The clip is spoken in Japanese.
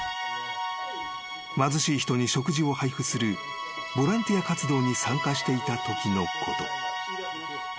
［貧しい人に食事を配布するボランティア活動に参加していたときのこと］